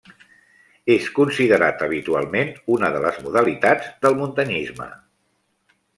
És considerat habitualment una de les modalitats del muntanyisme.